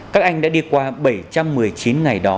các anh đã đi qua bảy trăm một mươi chín ngày đó